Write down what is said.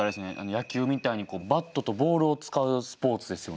野球みたいにバットとボールを使うスポーツですよね。